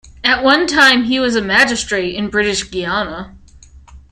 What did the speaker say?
At one time he was a magistrate in British Guiana.